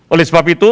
oleh sebab itu